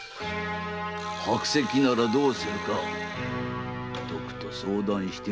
白石ならどうするかとくと相談してみよ。